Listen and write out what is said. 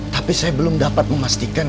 tapi saya belum dapat memastikan